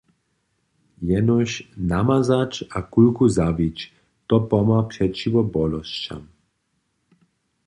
Jenož namazać a kulku zawić, to pomha přećiwo bolosćam.